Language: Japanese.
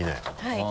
はい。